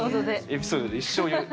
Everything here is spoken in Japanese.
エピソードで一生言う。